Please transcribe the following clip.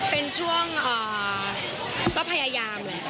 เป็นช่วงเอ่อก็พยายามเลย